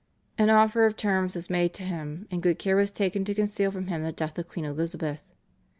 An offer of terms was made to him, and good care was taken to conceal from him the death of Queen Elizabeth.